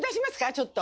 ちょっと。